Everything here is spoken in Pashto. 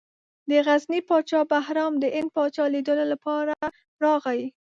د غزني پاچا بهرام د هند پاچا لیدلو لپاره راغی.